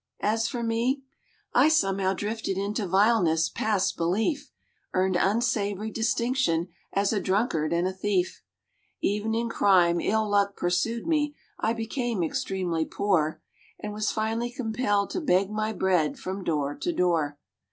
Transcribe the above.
As for me, I somehow drifted into vileness past belief, Earned unsavoury distinction as a drunkard and a thief; E'en in crime, ill luck pursued me: I became extremely poor, And was finally compelled to beg my bread from door to door.